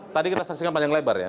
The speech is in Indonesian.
tadi kita saksikan panjang lebar ya